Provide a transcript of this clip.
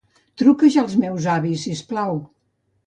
Truca ja als meus avis, si us plau.